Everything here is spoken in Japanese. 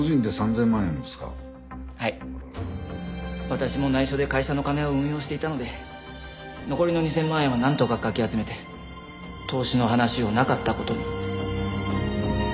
私も内緒で会社の金を運用していたので残りの２０００万円はなんとかかき集めて投資の話をなかった事に。